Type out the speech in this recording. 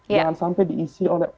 jangan sampai diisi oleh